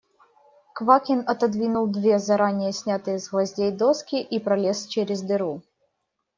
Квакин отодвинул две заранее снятые с гвоздей доски и пролез через дыру.